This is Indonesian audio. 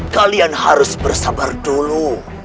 kalian harus bersabar dulu